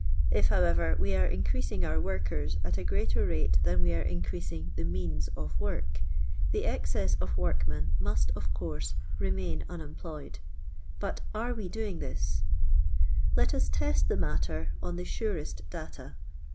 If, how ever, we are increasing our workers at a greater rate than we are increasing the means of work, the excess of workmen must, of course, remain unemployed. But are we doing thisi Let us test tho matter on the surest data.